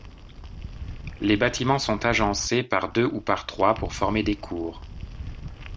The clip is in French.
Les bâtiments sont agencés par deux ou par trois pour former des cours.